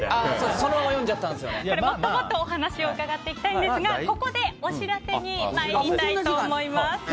もっともっとお話を伺っていきたいんですがここでお知らせにまいります。